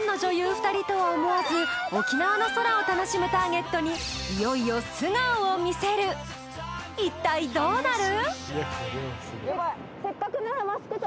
２人とは思わず沖縄の空を楽しむターゲットにいよいよ一体どうなる？